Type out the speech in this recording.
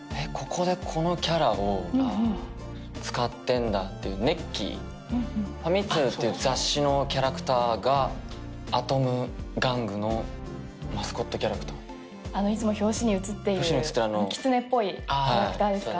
ここでこのキャラをああ使ってんだっていうネッキー「ファミ通」っていう雑誌のキャラクターがアトム玩具のマスコットキャラクターあのいつも表紙に写っている表紙に写ってるあのキツネっぽいキャラクターですか？